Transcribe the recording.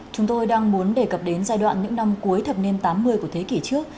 chúng tôi đang muốn đề cập đến giai đoạn những năm cuối thập niên tám mươi của thế kỷ trước